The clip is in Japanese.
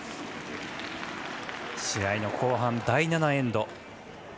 試合の後半、第７エンド。